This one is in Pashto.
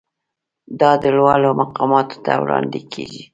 دا لوړو مقاماتو ته وړاندې کیږي.